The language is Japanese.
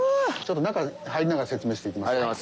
ちょっと中入りながら説明していきますね。